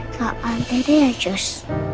kapan tadi ya cus